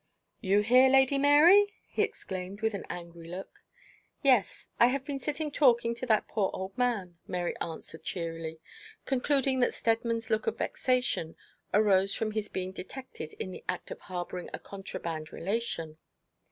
'You here, Lady Mary?' he exclaimed with an angry look. 'Yes, I have been sitting talking to that poor old man,' Mary answered, cheerily, concluding that Steadman's look of vexation arose from his being detected in the act of harbouring a contraband relation.